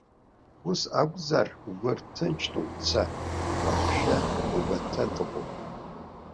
Ус акәзар угәы рҭынчны уца, уаҳәшьа мгәаҭа дыҟоуп.